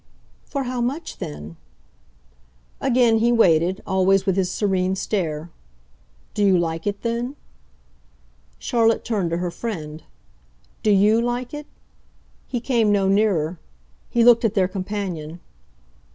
"For how much then?" Again he waited, always with his serene stare. "Do you like it then?" Charlotte turned to her friend. "Do YOU like it?" He came no nearer; he looked at their companion.